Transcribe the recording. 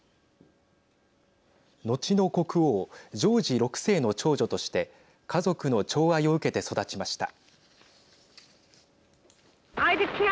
後の国王ジョージ６世の長女として家族のちょう愛を受けて育ちました。